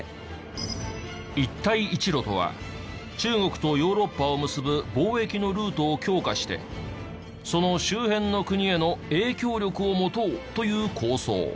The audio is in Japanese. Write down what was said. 一帯一路とは中国とヨーロッパを結ぶ貿易のルートを強化してその周辺の国への影響力を持とうという構想。